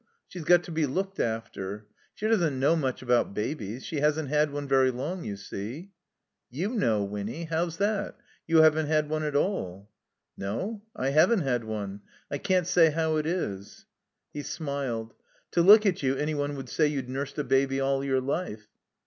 She's got to be looked after. She doesn't know much about babies. She hasn't had one very long, you see." You know, Winny. How's that? You haven't had one at all." "No. I haven't had one. I can't say how it is/' He smiled. "To look at you any one wotdd say you'd nursed a baby all your life."